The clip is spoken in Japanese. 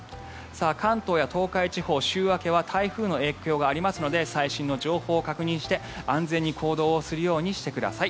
関東や東海地方、週明けは台風の影響がありますので最新の情報を確認して安全に行動をするようにしてください。